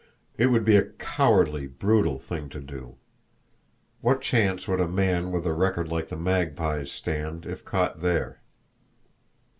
It would be a cowardly, brutal thing to do. What chance would a man with a record like the Magpie's stand if caught there?